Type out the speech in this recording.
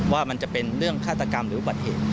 ว่ามันจะเป็นเรื่องฆาตกรรมหรืออุบัติเหตุ